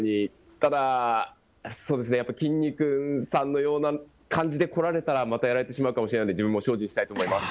ただ、そうですね、きんに君さんのような感じで来られたら、またやられてしまうかもしれないので、自分も精進したいと思います。